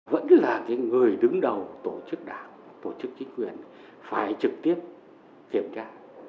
vẫn là người đứng đầu tổ chức đảng tổ chức chính quyền phải trực tiếp kiểm tra